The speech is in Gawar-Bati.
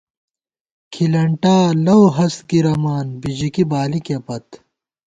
کھِلنٹا لَؤ ہَست گِرَمان، بِژِکی بالِکے پت